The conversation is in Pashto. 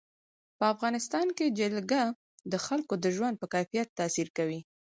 په افغانستان کې جلګه د خلکو د ژوند په کیفیت تاثیر کوي.